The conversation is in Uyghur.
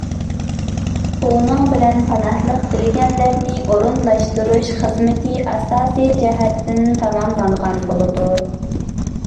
بۇنىڭ بىلەن پاناھلىق تىلىگەنلەرنى ئورۇنلاشتۇرۇش خىزمىتى ئاساسى جەھەتتىن تاماملانغان بولىدۇ.